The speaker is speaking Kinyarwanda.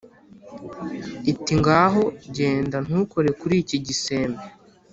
Iti”ngaho genda ntukore kuri iki gisembe